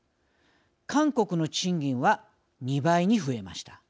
韓国の賃金は２倍に増えました。